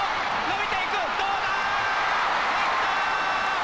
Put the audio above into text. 伸びていくどうだ！